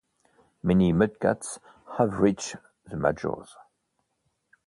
Many Mudcats have reached the majors.